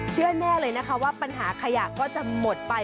เชื่อแน่เลยนะคะว่าปัญหาขยะก็จะหมดไป